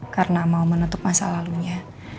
karena mau menutup masa lalunya